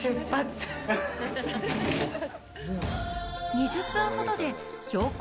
２０分ほどで標高